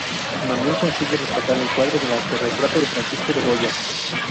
Manuel consigue rescatar el cuadro del autorretrato de Francisco de Goya.